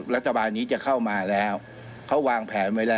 รัฐบาลนี้จะเข้ามาแล้วเขาวางแผนไว้แล้ว